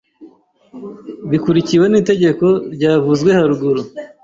bikurikiwe n'itegeko ryavuzwe haruguru.